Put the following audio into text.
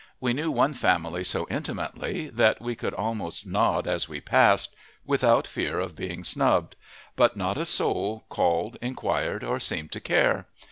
We knew one family so intimately that we could almost nod as we passed without fear of being snubbed but not a soul called, inquired, or seemed to care.